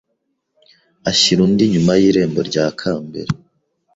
ashyira undi inyuma y’irembo rya kambere